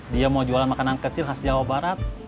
dia mau jualan makanan kecil khas jawa barat